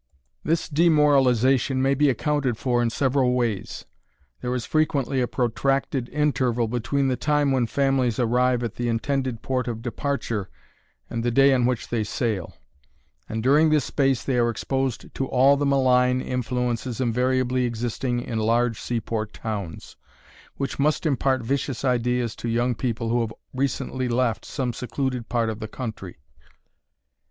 This demoralization may be accounted for in several ways. There is frequently a protracted interval between the time when families arrive at the intended port of departure and the day on which they sail; and during this space they are exposed to all the malign influences invariably existing in large sea port towns, which must impart vicious ideas to young people who have recently left some secluded part of the country.